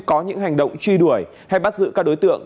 có những hành động truy đuổi hay bắt giữ các đối tượng